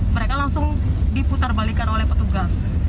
mereka langsung diputar balikan oleh petugas